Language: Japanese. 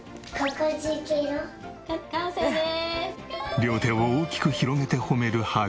両手を大きく広げて褒めるハグ。